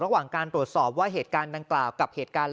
ระหว่างการตรวจสอบว่าเหตุการณ์ดังกล่าวกับเหตุการณ์